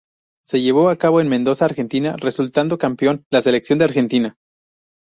Se llevó a cabo en Mendoza, Argentina, resultando campeón la selección de Argentina.